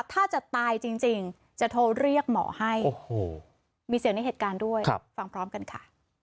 ถ้าจะตายจริงจะโทรเรียกหมอให้มีเสียงในเหตุการณ์ด้วยฟังพร้อมกันค่ะ